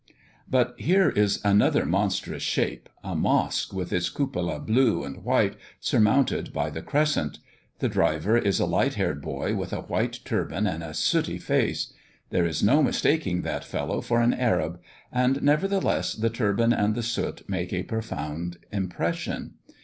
But here is another monstrous shape a mosque, with its cupola blue and white, surmounted by the crescent. The driver is a light haired boy, with a white turban and a sooty face. There is no mistaking that fellow for an Arab; and, nevertheless, the turban and the soot make a profound impression.